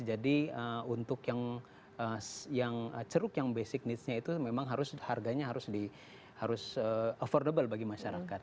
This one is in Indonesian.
jadi untuk yang ceruk yang basic needsnya itu memang harus harganya harus affordable bagi masyarakat